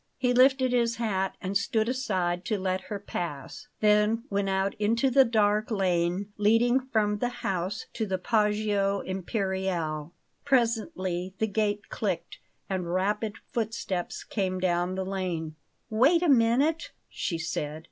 He lifted his hat and stood aside to let her pass, then went out into the dark lane leading from the house to the Poggio Imperiale. Presently the gate clicked and rapid footsteps came down the lane. "Wait a minute!" she said.